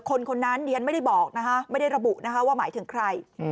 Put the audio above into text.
คนคนนั้นไม่ได้บอกไม่ได้ระบุว่าหมายถึงใคร